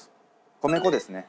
米粉ですね。